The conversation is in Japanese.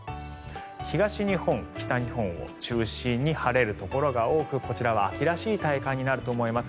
東日本、北日本を中心に晴れるところが多くこちらは秋らしい体感になると思います。